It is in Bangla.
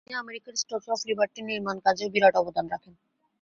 তিনি আমেরিকার স্ট্যাচু অব লিবার্টির নির্মাণ কাজেও বিরাট অবদান রাখেন।